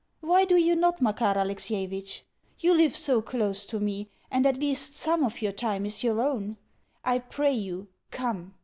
Why do you not, Makar Alexievitch? You live so close to me, and at least SOME of your time is your own. I pray you, come.